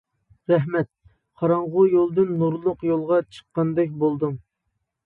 رەھمەت، قاراڭغۇ يولدىن نۇرلۇق يولغا چىققاندەك بولدۇم.